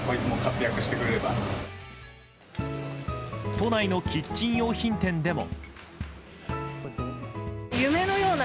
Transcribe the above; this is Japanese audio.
都内のキッチン用品店でも。